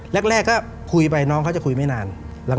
แรกก็คุยไปน้องเขาจะคุยไม่นาน